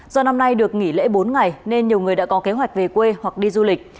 do năm nay được nghỉ lễ bốn ngày nên nhiều người đã có kế hoạch về quê hoặc đi du lịch